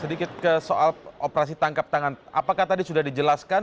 sedikit ke soal operasi tangkap tangan apakah tadi sudah dijelaskan